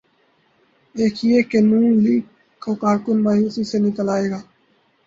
ایک یہ کہ نون لیگ کا کارکن مایوسی سے نکل آئے گا۔